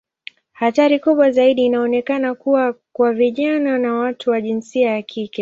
Hatari kubwa zaidi inaonekana kuwa kwa vijana na watu wa jinsia ya kike.